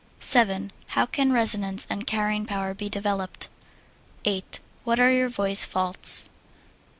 7. How can resonance and carrying power be developed? 8. What are your voice faults?